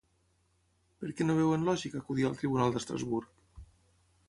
Per què no veuen lògic acudir al Tribunal d'Estrasburg?